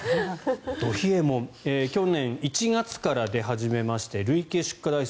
ど冷えもん去年１月から出始めまして累計出荷台数